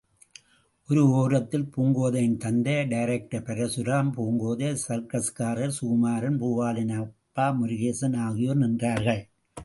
ஒரு ஓரத்தில் பூங்கோதையின் தந்தை டைரக்டர் பரசுராம், பூங்கோதை, சர்க்கஸ்காரர் சுகுமாரன், பூபாலனின் அப்பா முருகேசன் ஆகியோர் நின்றார்கள்.